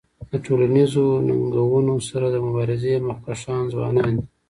د ټولنیزو ننګونو سره د مبارزې مخکښان ځوانان دي.